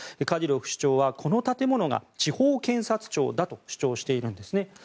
カディロフ首相たちはこの建物が地方検察庁だと主張しているんです。